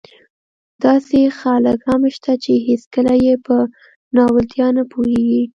داسې خلک هم شته چې هېڅکله يې په ناولتیا نه پوهېږي.